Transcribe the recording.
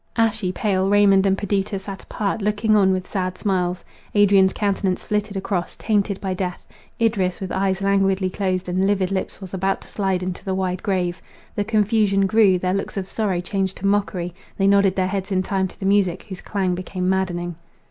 Ashy pale, Raymond and Perdita sat apart, looking on with sad smiles. Adrian's countenance flitted across, tainted by death—Idris, with eyes languidly closed and livid lips, was about to slide into the wide grave. The confusion grew—their looks of sorrow changed to mockery; they nodded their heads in time to the music, whose clang became maddening.